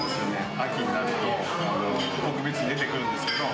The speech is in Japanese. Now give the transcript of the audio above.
秋になると特別に出てくるんですけど。